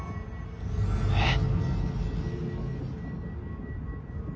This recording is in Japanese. えっ？